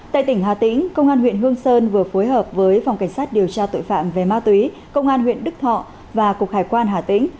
tại tỉnh hà tĩnh công an huyện hương sơn vừa phối hợp với phòng cảnh sát điều tra tội phạm về ma túy công an huyện đức thọ và cục hải quan hà tĩnh